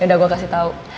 ya udah gue kasih tau